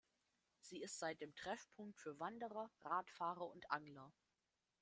Sie ist seitdem Treffpunkt für Wanderer, Radfahrer und Angler.